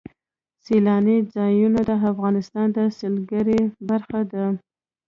سیلانی ځایونه د افغانستان د سیلګرۍ برخه ده.